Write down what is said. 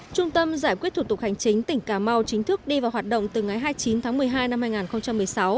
trung tâm giải quyết thủ tục hành chính tỉnh cà mau chính thức đi vào hoạt động từ ngày hai mươi chín tháng một mươi hai năm hai nghìn một mươi sáu